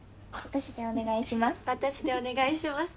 私でお願いします。